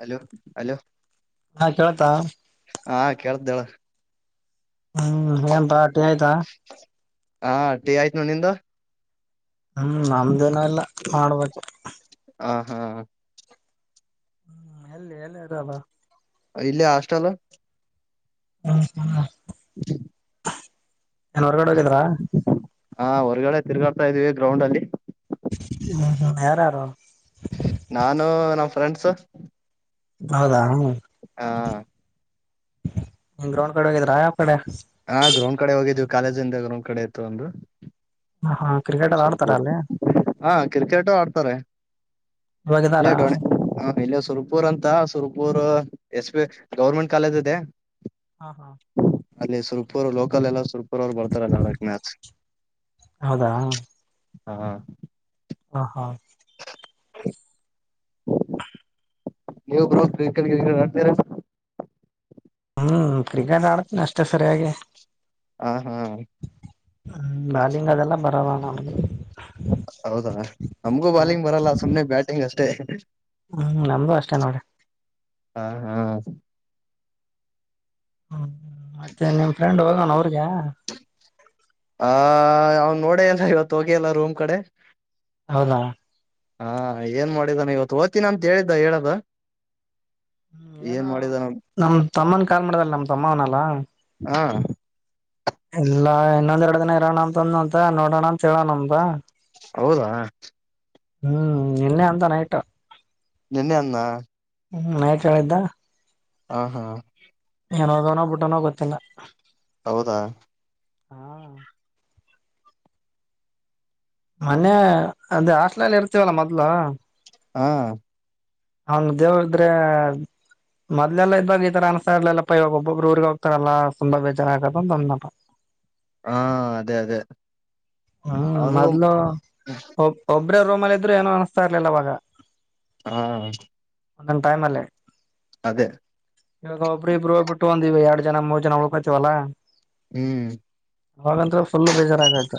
Hello hello? [unintelligible] ಆತ ಅಳಪ್ಪಾ? [unintelligible] ಹಾ ಕೇಳದಳ್ಳ [unintelligible] ಹೂ ಏನ್ ಪಾ ಟಿ ಆಯ್ತಾ. [unintelligible] ಆ ಟಿ ಆಯ್ತ ನಿಂದು [unintelligible] ಹೂ ನಮ್ದ ಇನ್ ಇಲ್ಲ ಮಾಡ್ಬೇಕು. [unintelligible] ಹ [unintelligible] ಹ ಎಲ್ಲಿ ಎಲ್ಲಿ ಅದನಾ? [unintelligible] ಇಲ್ಲೇ ಹಾಸ್ಟೆಲ್ [unintelligible] ಹ ಪಾ [unintelligible] [unintelligible] ಏನ್ ಹೊರಗಡೆ ಹೋಗಿದ್ರಾ? [unintelligible] ಹಾ ಹೊರಗಡೆ ತಿರ್ಗಾಡ್ತ ಇದೀವಿ ಗ್ರೌಂಡ್ ಅಲ್ಲಿ. [unintelligible] ಹು ಹು ಯಾರ ಅವರು? [unintelligible] ನಾನು ನಮ್ಮ ಫ್ರೆಂಡ್ಸ್. [unintelligible] ಹೌದಾ ಹು ಹ ಗ್ರೌಂಡ್ ಕಡೆ ಅದಿರಾ? [unintelligible] ಹಾ ಗ್ರೌಂಡ್ ಕಡೆ ಹೋಗಿದ್ವಿ ಕಾಲೇಜ್ಂದ ಗ್ರೌಂಡ್ ಕಡೆ ಇತ್ತು ಒಂದು. [unintelligible] ಹಾ ಹಾ ಕ್ರಿಕೆಟ್ ಎಲ್ಲ ಆಡ್ತಾರ ಸುರ್ಪುರ್ ಅಲ್ಲಿ? [unintelligible] ಹಾ ಕ್ರಿಕೆಟು ಆಡ್ತಾರೆ. [unintelligible] ಹೋಗಿದ್ದಾರಾ ಇಲ್ಲಿ ಸುರ್ಪೂರ್ ಅಂತ ಸುರ್ಪೂರ್ ಎಸ್ ಪ ಗೌರ್ಮೆಂಟ್ ಕಾಲೇಜ್ ಇದೆ ಹ ಹಾ ಅಲ್ಲಿ ಸುರ್ಪುರ್ ಲೋಕಲ್ ಎಲ್ಲ ಸುರ್ಪುರ್ ಅವರು ಬರ್ತಾರಲ್ಲ ಹರ ಮಸ್ ಹೌದಾ ಹಾ [unintelligible] ಹ ಹಾ [unintelligible] [unintelligible] [inaudible] ನೀವ ಬರು ಕ್ರಿಕೆಟ್ ಕ್ರಿಕೆಟ್ ಆಡ್ತೀರಾ? [unintelligible] ಹೂ ಕ್ರಿಕೆಟ್ ಆಡತನ ಅಷ್ಟೇ ಸರಿಯಾಗಿ, [unintelligible] ಹಾ ಹಾ [unintelligible] ಹು ಬಾಲಿಂಗ ಅದ ಎಲ್ಲಾ ಬರಲ್ಲ ನಮಗೆ [unintelligible] ಹೌದಾ ನಮ್ಗೂ ಬಾಲಿಂಗ್ ಬರಲ್ಲ ಸುಮನೆ ಬ್ಯಾಟಿಂಗ್ ಅಷ್ಟೇ? [unintelligible] ಹ ನಮಗ ಅಷ್ಟೇ ನೋಡ್ರಿ. [unintelligible] ಹಾ ಹಾ [unintelligible] ಹ್ಮ್ ಮತ್ತೆ ನಿಮ್ ಫ್ರೆಂಡ್ ಹೋಗೋಣ ಊರಿಗೆ ಹ ಅವನ್ ನೋಡಲ್ಲ ಇವತ್ತು ಹೋಗಿ ಎಲ್ಲ ರೂಮ್ ಕಡೆ ಹೌದ ಹಾ ಏನ್ ಮಾಡಿದಾನ ಇವತ್ತು ಓದ್ತೀನ ಅಂತ ಹೇಳಿದ್ದ ಹೇಳದ ಹ್ಮ್ ಏನ ಏನ್ ಮಾಡಿದಾನ ನಮ ತಮ್ಮನ್ ಕಾರ್ ಮಾಡ್ದಲ್ಲ ನಮ ತಮ್ಮ ಅವನಲ್ಲ ಹ ಇಲ್ಲಾ ಇನ್ನೊಂದ್ ಎರಡು ದಿನ ಇರೋಣ ಅಂತಂದ ಅಂತ ನೋಡೋಣ ಅಂತ ಹೇಳೋಣ ಅ್ದ ಒಬ್ಬ ಹೌದಾ ಹ್ಮ್ ನಿನ್ನೆ ಅಂತಾನಯತು ನಿನ್ನೆ ಅನ್ನ ಹ್ಮಮ್ಯಾಚ್ ಆಡಿದ್ದ ಹಾ ಹಾ ಏನದನೋ ಬಿಟ್ಟನೋ ಗೊತ್ತಿಲ್ಲ ಹೌದಾ ಹಾ ಮೊನ್ನೆ ಅದೇ ಹಾಟ್ಲಲಿ ಇರ್ತೀವಲ್ಲ ಮೊದ್ಲು ಹಾ ಹಂಗ ದೇವ ಇದ್ರೆ ಮೊಲೆಲ್ಲ ಇದ್ದಾಗ ಈ ತರ ಅನ್ಸತ ಇರ್ಲಿಲ್ಲಪ್ಪ ಇವಾಗ ಒಬ್ಬೊಬ್ರು ಊ್ರರಿಗೆ ಹೋಗ್ತಾರಲ್ಲ ತುಂಬ ಬೇಜಾರ ಆಕತಂತಂದ್ನಾ ಹಾ ಅದೇ ಅದೇ ಹ್ಮ್ ಅವನಿಗೂ ಮೊದ್ಲು ಒಬ್ರೇ ರೂಮ್ಲ್ಇದ್ರು ಏನೋ ಅನಿಸ್ತಾ ಇರ್ಲಿಲ್ಲ ಅವವಾಗ ಹಾ ಒಂದೊಟೈಮ್ ಅಲ್ಲಿಇವಾಗ ಒಬ್ಬ್ರ ಇಬ್ಬರುಗ್ ಬಿಟ್ಟು ಒಂದವಿ ಎರಡು ಜನ ಮೂರು ಜನ ಉಳ್ಕೋತವಲ್ಲಾ ಹ್ಮ್ ಅವಂತ್ರ ಫುಲ್ಬೇಜಾರಾಗ ಆಯತ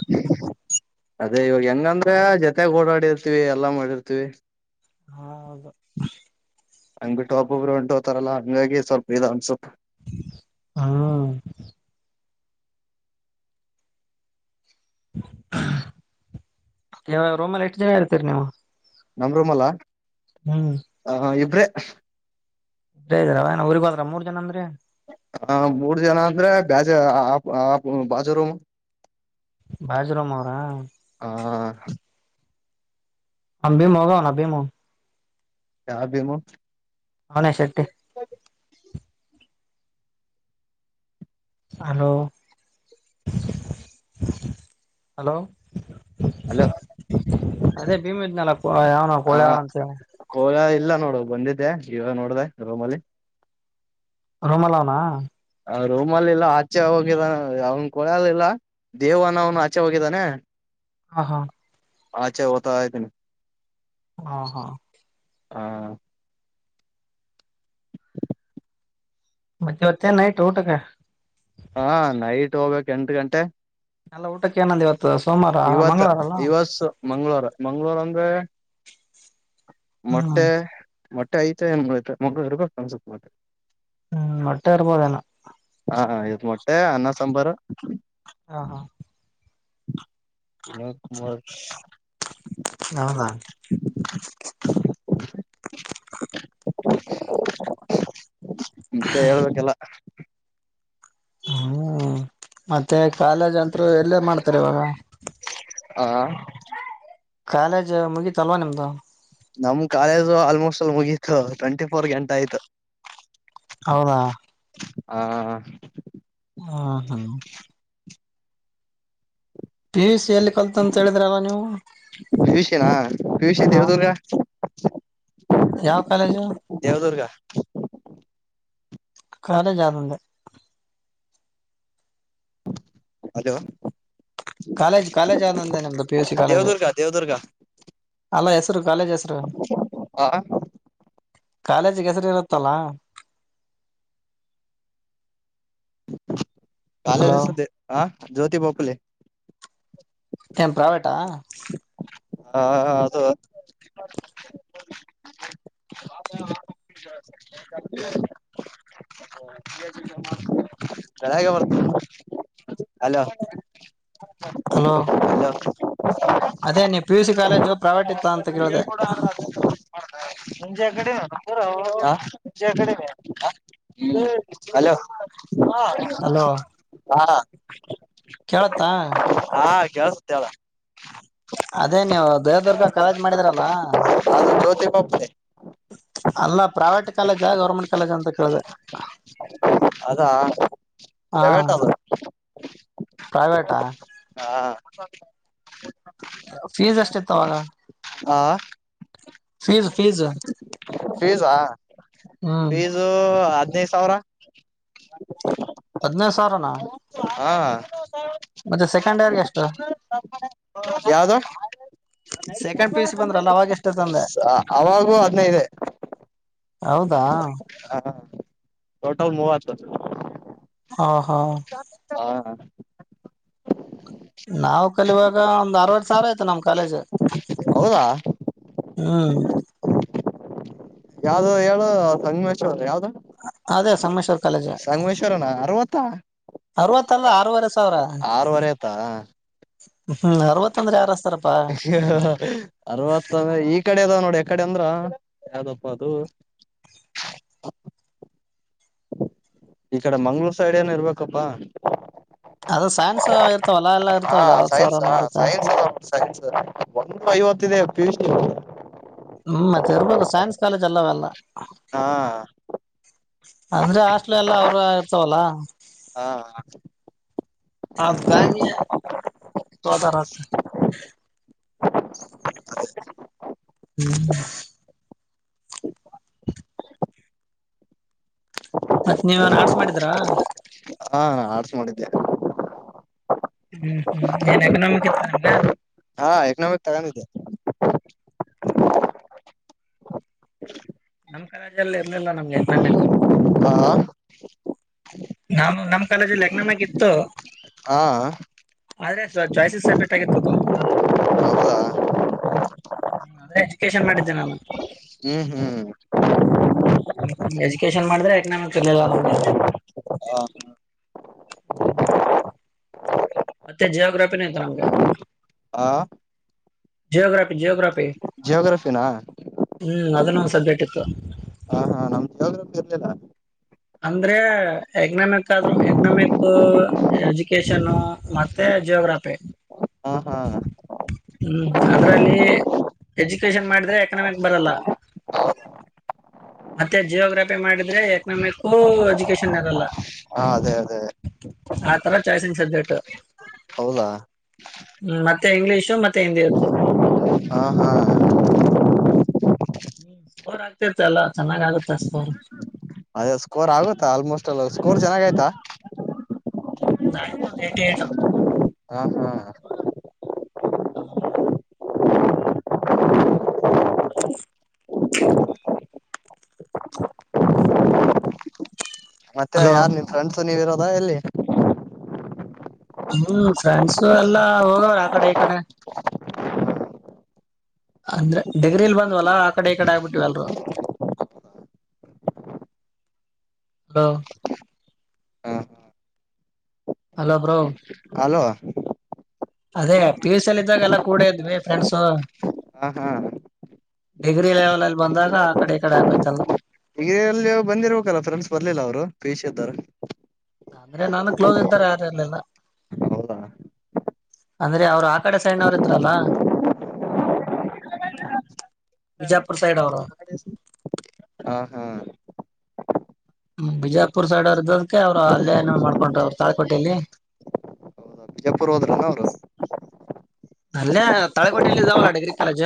ಅದೇ ಇವಾಗ ಹೆಂಗಂದ್ರೆ ಜೊತೆಗ್ ಓಡಾಡಿರ್ತಿವಿ ಎಲ್ಲಾ ಮಾಡಿರ್ತಿವಿ ಹಾೌದು ಹಂಗ್ ಬಿ ಟಾಪ್ ಒಬ್ರು ಹೊಂಟ ಹೋತಾರಲ್ಲ ಹಂಗಾಗಿ ಸ್ವಲ್ಪ ಇ ಒಂದಸೊಪ್ ಹಾ ಯಾವಾಗ ರೋಮಲ್ಲಿ ಎಷ್ಟು ಜನ ಇರ್ತೀರಿ ನೀವು ನಮ ರೂಮ್ ಅಲ್ಲ ಹ್ಮ್ ಹಾ ಇಬ್ರೆ ಇ ಇದರ ಊರ್ ಬಾದ್ರ ಮೂರ್ ಜನ ಅಂದ್ರೀ ಹ ಮೂರ್ ಜನ ಅಂದ್ರೆ ಬಾಜ ಆ ಬಾಜರುೂಮ ಬಾಜರಾಮ ಅವರಾ ಹ ಅಭ ಮೋಗ ಅಭ ಮ ಯಾ ಭೀಮು ಅವನ ಶೆಟ್ಟಿ ಹಲೋ ಹಲೋ ಹಲೋ ಅದೇ ಭೀಮ ಇದ್ನಲ್ಲ ಯಾವನಾವ ಹ ಕೊಳೆಅಂತ ಹೇಳಿ ಕೋಳ ಇಲ್ಲ ನೋಡ ಬಂದಿದ್ದೆ ಇವಾಗ ನೋಡಿದೆ ರೋಮ್ ಅಲ್ಲಿ ರೋಮಾಲ ಅವನಾ ಆ ರೂಮಲ್ಲಿ ಇಲ್ಲ ಆಚೆ ಹೋಗಿಲ್ಲ ಅವನ್ ಕೊಳಾಲಿಲ್ಲ ದೇವಾನನು ಆಚೆ ಹೋಗಿದಾನೆ ಹಾ ಹಾ ಅಛೆ ಹೊತ್ತ ಆಯತನೆ ಹಾ ಹಾ ಹಾ [inaudible] ಮಧ್ಯೆವತ್ತ ನೈಟ್ ಊಟಕ್ಕೆ ಹಾ ನೈಟ್ ಹೋಗ್ಬೇಕಕ್ು ಎಂಟ ಗಂಟೆ ಎಲ್ಲ ಊಟಕ್ಕೆ ಏನಂದ್ ಇವತ್ತು ಸೋಮವಾರ ಇವತ್ ಮಂಗಳವಾರ ಅಲ್ಲ ಇವ ಮಂಗಳವಾರ ಮಂಗಳ ವಾರ ಅಂದ್ರೆ ಹ್ಮ್ ಮೊಟ್ಟೆ ಮೊಟ್ಟೆ ಐತಏ ಮೇ ಬಿ ಇರ್ಬೇಕು ಅನ್ಸುತ್ತೆ ಮೊಟ್ಟೆ ಹೂ ಮೊಟ್ಟೆ ಇರ್ಬೋದೇನ ಹಾ ಇದು ಮೊಟ್ಟೆ ಅನ್ನ ಸಾಂಬಾರು ಹಾ ಹಾ ತ ಮರ್ ಹೌದ ಮತ್ತೆ ಹೇಳ್ಬೇಕಲ್ಲ ಹೂ ಮತ್ತೆ ಕಾಲೇಜ್ ಅಂತರು ಎಲ್ಲೇ ಮಾಡ್ತಾರೆ ಇವಾಗ ಹಾ ಕಾಲೇಜ್ ಮುಗೀತಲ್ವಾ ನಿಮ್ದು ನಮ್ ಕಾಲೇಜು ಆಲ್ಮೋಸ್ಟ್ ಅಲ್ಲಿ ಮುಗೀತು ಟ್ವೆಂಟಿ ಫೋರ್ ಎಂಡ್ ಆಯ್ತು ಹೌದಾ ಹಾ ಹ ಹ್ಮ ಪಿ ಸ ಪಿ ಯು ಸಿ ನಾ ಪಿ ಯು ಸಿ ಹ ದೇವದುರ್ಗ ಯಾವ ಕಾಲೇಜು ದೇವದುರ್ಗ ಕಾಲೇಜ್ ಯಾವ್ದು ಅಂದೆ ಹಲೋ ಕಾಲೇಜ್ ಕಾಲೇಜ್ ಯಾವ್ದು ಅಂದೆ ನಮ್ದು P U C college Devadurga Devadurga ಅಲ್ಲ ಹೆಸರು ಕಾಲೇಜ್ ಹೆಸರು ಆ ಕಾಲೇಜ್ಗೆ ಹೆಸರಿ ಇರುತ್ತಲ್ಲಾ ಕಾಲೇಜ್ ಹೆಸರು ಹ ಜ್ಯೋತಿ ಬಾಪುಲೆ ಏನ್ ಪ್ರಾವೇಟಾ ಹಾ ಅದು ಹ ಬೆಳ್ಳಗೆ ಬರ್ನಿ ಅಲೋ ಹಲೋ ಅದೇ ನೀ ಪಿ ಯುಸಿ ಕಾಲೇಜು ಪ್ರಾವಟಿತ್ತ ಅಂತ ಕೇಳದೆೆ ಹ ಮುಂಜೆ ಆ ಕಡೆ ಮುಂಜೆ ಕಡೆ ಹಲೋ ಹ ಹಲೋ ಹಾ ಕೇಳತ್ತಾ [unintelligible] ಅದೇ ನೀವು ದೇವದುರ್ಗ ಕಾಲೇಜ್ ಮಾಡಿದ್ರಲ್ಲ ಅದು ಜ್ಯೋತಿ ಬಾಪುಲೆ ಅಲ್ಲ ಪ್ರೈವೇಟ್ ಕಾಲೇಜ ಗೌರ್ಮೆಂಟ್ ಕಾಲೇಜ ಅಂತ ಕೇಳಿದೆ ಹಾ [unintelligible] ಪ್ರೈವೇಟಾ ಹ ಫೀಸ್ ಅಷ್ಟ ಇತ್ತ ಅವಾಗ ಹಾ ಫೀಸ್ ಫೀಸ್ ಫೀಸಾ ಹ್ಮ್ ಫೀಸು ಹದ್ಿನೈದು ಸಾವಿರ ಹದ್ನೈದು ಸಾವಿರನಾ ಹಾ ಮತ್ತೆ ಸೆಕೆಂಡ್ ಇಯರ್ಗೆ ಎಷ್ಟು ಯಾವ್ದ ಸೆಕೆಂಡ್ ಪಿ ಯು ಸಿ ಬಂದ್ರಲ್ಲ ಅವಾಗ ಎಷ್ಟ ತಂದೆ ಅವಾಗೂ ಹದ್ಿನೈದೇ ಹೌದಾ ಟೋಟಲ್ ಮೂವತ್ತು ಹಾ ಹಾ [inaudible] ನಾವವು ಕಲೀವಾಗ ಒಂದ್ ಅರ್ವತ್ ಸಾವಿರ ಆಯ್ತು ನಮ್ ಕಾಲೇಜ್ ಹೌದಾ ಹ್ಮ್ ಯಾವ್ದ ಹೇಳ [unintelligible] ಯಾವ್ದ ಅದೇ ಸಮ್ಮೇಶ್ವರ್ ಕಾಲೇಜ ಸಂಗಮೇಶ್ವರನ ಅರವತ್ತ ಅರವತ್ತಲ್ಲ ಆರವರೆ ಸಾವಿರ ಆರವರೆ ಆಯತಾ ಹ್ಮ್ ಅರವತ್ತ ಅಂದ್ರೆ ಯಾರ ಹಸ್ತಾರಪ್ಪಾ ಅರವತ್ತ ಈ ಕಡೆ ಇದಾವೆ ನೋಡ ಕಡೆ ಅಂದ್ರ ಯಾವ್ದಪ್ಪ ಅದು ಈ ಕಡೆ ಮಂಗ್ಳೂರ್ ಸೈಡ್ ಏನ ಇರ್ಬೇಕಪ್ಪಾ ಅದು ಸೈನ್ಸ್ ಇರ್ತಾವಲ್ಲ ಎಲ್ಲ ಹಾ ಇರ್ತಾವಲ್ಲ ಅರವತ್ ಸೈನ್ಸ್ ಸಾವಿರನ ಹ ಇರುತ್ತೆ ಸೈನ್ಸ್ ಅ ಸೈನ್ಸ್ ಒಂದು ಐವತ್ತಿದೆ [unintelligible] ಹ್ಮ್ ಮತ್ತೆ ಇರ್ಬದು ಸೈನ್ಸ್ ಕಾಲೇಜ್ ಅಲ್ಲ ಅವೆಲ್ಲ ಹಾ ಅಂದ್ರೆ ಹಾಸ್ಟೆಲ್ ಎಲ್ಲ ಅವ್ರ ಇರ್ತವಲ್ಲಾ ಹಾ ಹಾ [unintelligible] [inaudible] [inaudible] ಮತ್ತತ್ ನೀವನ್ ಆಡ್ಸ್ ಮಾಡಿದ್ರಾ ಹಾ ನಾ ಆಡ್ಸ ಮಾಡಿದ್ದೆ ಹ್ಮ್ ಹ್ಮ್ ಏನ್ ಎಕನಾಮಿಕ್ ಇತ್ತ ನಿಮಗೆ ಹಾ ಎಕನಾಮಿಕ್ ತಗೊಂಡಿದ್ದೆ [inaudible] [inaudible] ನಮ್ ಕಾಲೇಜ್ಜಲ್ಲಿ ಇರ್ಲಿಲ್ಲ ನಮಗೆ [unintelligible] ಹಾ ನಮ್ ಕಾಲೇಜಲ್ಲಿ ಎಕನಾಮಿಕ್ ಇತ್ತು ಹಾ ಆದ್ರೆ ಸ್ ಚಾಯ್ಸಸ್ ಸಬ್ಜೆಕ್ಟ್ ಆಗಿತ್ತು ಹೌದಾ ಎಜುಕೇಶನ್ ಮಾಡಿದ್ದೇ ನಾನು ಹ್ಮ್ ಹ್ಮ್್ಮ ಹ್ಮ ಎಜುಕೇಶನ್ ಮಾಡಿದ್ರೆ ಎಕನಾಮಿಕ್ಸ್ ಇರ್ಲಿಲ್ಲ ನಮ್ಗೆ ಹ [inaudible] ಮತ್ತೆ ಜಿಯೋಗ್ರಫಿಿನ ಇತ್ತು ನಮ್ಗೆ ಹಾ ಜಿಯೋಗ್ರಫಿ ಜಿಯೋಗ್ರಾಫಿ ಜಿಯೋಗ್ರಫಿನ ಹ್ಮ್ ಅದನ್ನಂದು ಸಬ್ಜೆಕ್ಟ್ ಇತ್ತು ಹ ಹಾ ನಮ್ದ ಜಿಯಾಗ್ರಫಿ ಇರ್ಲಿಲ್ಲ ಅಂದ್ರೆ ಎಕನಾಮಿಕ್ ಆದ್ರರು ಎಕನಾಮಿಕ್ ಎಜುಕೇಶನ್ ಮತ್ತೆ ಜಿಯೋಗ್ರಾಫಿ [inaudible] ಹ್ಮ್ ಅದ್ರಲ್ಲಿ ಎಜುಕೇಶನ್ ಮಾಡಿದ್ರೆ ಎಕನಾಮಿಕ್ ಬರಲ್ಲ ಮತ್ತೆ ಜಿಯೋಗ್ರಫಿ ಮಾಡಿದ್ರೆ ಎಕನಾಮಿಕ್ ಎಜುಕೇಶನ್ ಇರಲ್ಲ ಹ ಅದೇ ಅದೇ ಆ ತರ ಚಾಯ್ಸಂಗ ಸಬ್ಜೆಕ್ಟ್ ಹೌದಾ ಹ್ಮ ಮತ್ತೆ ಇಂಗ್ಲಿಷು ಮತ್ತೆ ಹಿಂದಿತ್ತು ಹಾ ಹಾ ಹ್ಮ ಸ್ಪೋರ್ ಆಗ್ತೇತೆ ಅಲ್ಲ ಚೆನ್ನಾಗ್ ಆಗತ್ತ ಸ್ಕೋರ್ ಅದೇ ಸ್ಕೋರ್ ಆಗುತ್ತಾ ಆಲ್ಮೋಸ್ಟ್ ಎಲ್ಲ ಸ್ಕೋರ್ ಚೆನ್ನಾಗ ಆಯ್ತಾ ಹ್ಮ ನಂದು ಟಿ ಏಟ ಹಾ ಹಾ ಹ್ಮ ಮತ್ತೆ ಹಲೋ ಯಾರ್ ನಿಮ್ ಫ್ರೆಂಡ್ಸ ನೀವಿ ಇರೋದ ಎಲ್ಲಿ ಹ್ಮ್ ಫ್ರೆಂಡ್ಸು ಎಲ್ಲಾ ಹೋಗವ್ರ ಆ ಕಡೆ ಈ ಕಡೆ ಅಂದ್ರೆ ಡಿಗ್ರಿಲ್ ಬಂದ್ವಲ್ಲ ಆ ಕಡೆ ಈ ಕಡೆ ಆಗ್ಬಿಟ್ಟವಿಲ್ರು ಹಾ ಹ ಹಲೋ ಬ್ರೋ ಹಲೋ ಅದೇ ಪಿಸ್ ಅಲ್ಲಿ ಇದ್ದಾಗೆಲ್ಲಾ ಕೂಡ ಇದ್ವಿ ಫ್ರೆಂಡ್ಸು ಹಾ ಹಾ ಡಿಗ್ರಿ ಲೆವೆಲ್ ಅಲ್ಲಿ ಬಂದಾಗ ಆ ಕಡೆ ಈ ಕಡೆ ಆಗೋಯತಲ್ಲ ಹಲ್ಲಿ ಬಂದಿರ್ಬೇಕಲ್ಲ ಫ್ರೆಂಡ್ಸ್ ಬರ್ಲಿಲ್ಲ ಅವ್ರು ಪಷಿ ಅ್ದರು ಅಂದ್ರೆ ನಾನು ಕ್ಲೋಸ್ ಇದ್ದಾರೆ ಯಾರಲ್ಲೆಲ್ಲ ಹೌದಾ ಅಂದ್ರೆ ಅವರು ಆ ಕಡೆ ಸೈಣ್ಣವ್ರ ಇದ್ರಲ್ಲ ಬಿಜಾಪುರ್ ಸೈಡ್ ಅವರು ಹಾ ಹಾ ಹ್ಮ್ ಬಿಜಾಪುರ್ ಸೈಡ್ ಅವ್ರ ಇದ್ದದಕ ಅವ್ರು ಹೌದಾ ಅಲ್ಲಯ ಏ ಮಾಡ್ಕೊಂಡ್ರ ಅವರು ತಾಳ್ಕೋಟಲ್ಲಿ ಎಪ್ಪರು ಹೋದರುನ ಅವರು ಅಲ್ಲೇ ತಳಕೋಟೆಯಲ್ಲಿ ಜಾವಲ್ಲಾ ಡಿಗ್ರಿ ಕಾಲೇಜ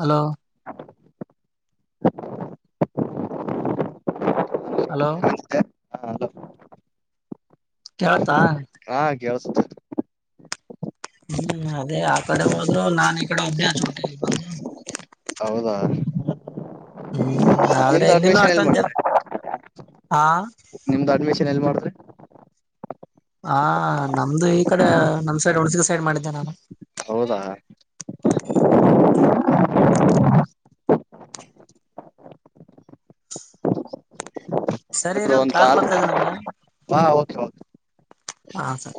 ಹಲೋ ಹಲೋ ಕೇಳ್ತಾ ಹಾಸ್ ಹ್ಮ್ ಅದೇ ಆ ಕಡೆ ಹೋದ್ರು ನಾ ಈ ಕಡೆ ಒೇಚ ಊಟ ಬಂದು ಹೌದಾ ಹ್ಮ್ ಆದ್ರೆ ನಿಮ್ದು ಇದನ್ನು ಅಡ್ಮಿಷನ್ ಎಲ್ಲಿ ಅಷ್ಟೊಂದಜಲ ಮಾಡಿದ್ರಿ ಹಾ ನಿಮ್ದ್ ಅಡ್ಮಿಷನ್ ಎಲ್ ಮಾಡ್ರೆ ಹಾ ನಮ್ದು ಈ ಕಡೆ ನಮ್ ಸೈಡ್ ಹುಣಸಗ ಸೈಡ್ ಮಾಡಿದ್ದೆ ನಾನು ಹೌದಾ ಹ್ಮ ಸರಿರ ಒಂದ್ ಕಾಲ್ ಬರ್ತದೆ ನಂಗ ಹಾ ಓಕೆ ಓಕೆ ಹಾ ಸರ್